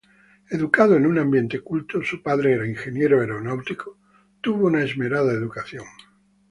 Educado en un ambiente culto -su padre era ingeniero aeronáutico- tuvo una esmerada educación.